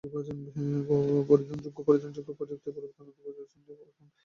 পরিধানযোগ্য প্রযুক্তিতে পরিবর্তন আনতে প্রতিষ্ঠানটি গুগল গ্লাস এনেছিল মানুষের হাতের নাগালে।